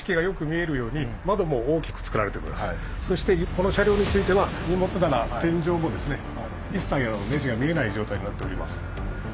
この車両はですねそしてこの車両については荷物棚天井もですね一切ネジが見えない状態になっております。